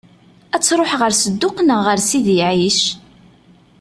Ad tṛuḥ ɣer Sedduq neɣ ɣer Sidi Ɛic?